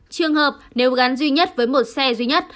trường hợp nếu gắn duy nhất với một xe duy nhất